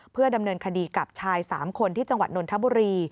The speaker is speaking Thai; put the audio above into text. เพื่อดำเนินคดีกับชาย๓คนที่จังหวัดนนทบุรี